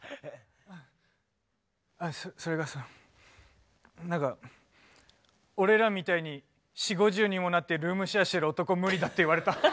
あそれがさ何か俺らみたいに４０５０にもなってルームシェアしてる男無理だって言われた。